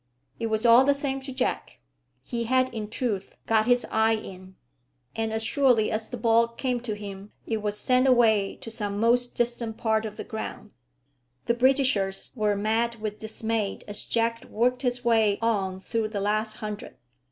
It was all the same to Jack. He had in truth got his "eye in," and as surely as the ball came to him, it was sent away to some most distant part of the ground. The Britishers were mad with dismay as Jack worked his way on through the last hundred.